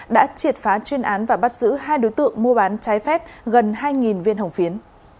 đã triệt phá chuyên án và bắt giữ hai đối tượng mua bán trái phép gần hai viên hồng phiến